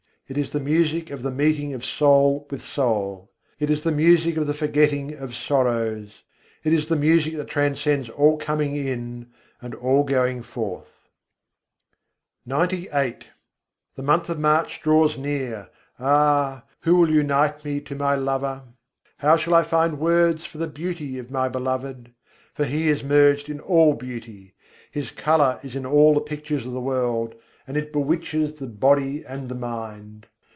It is the music of the meeting of soul with soul; It is the music of the forgetting of sorrows; It is the music that transcends all coming in and all going forth. XCVIII II. 98. ritu phâgun niyarânî The month of March draws near: ah, who will unite me to my Lover? How shall I find words for the beauty of my Beloved? For He is merged in all beauty. His colour is in all the pictures of the world, and it bewitches the body and the mind.